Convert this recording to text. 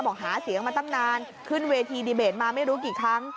หาเสียงมาตั้งนานขึ้นเวทีดีเบตมาไม่รู้กี่ครั้ง